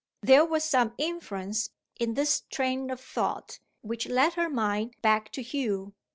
There was some influence, in this train of thought, which led her mind back to Hugh.